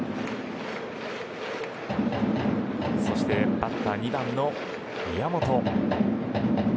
そして、バッター２番の宮本。